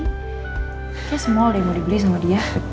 kayaknya semua udah yang mau dibeli sama dia